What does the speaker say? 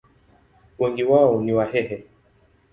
Wengi wao ni Wahehe.